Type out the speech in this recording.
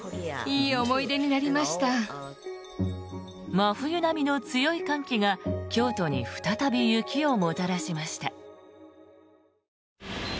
真冬並みの強い寒気が京都に再び雪をもたらしました。